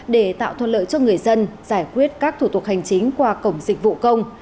để tạo thuận lợi cho người dân giải quyết các thủ tục hành chính qua cổng dịch vụ công